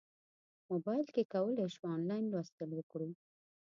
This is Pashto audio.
موبایل کې کولی شو انلاین لوستل وکړو.